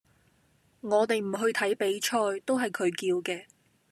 我哋唔去睇比賽，都係佢叫嘅